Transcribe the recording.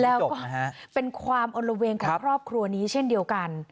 แล้วก็เป็นความอลละเวงของครอบครัวนี้เช่นเดียวกัน